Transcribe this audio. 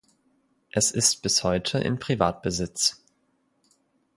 Es ist bis heute in Privatbesitz.